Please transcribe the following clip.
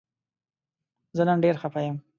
زه نن ډیر خفه یم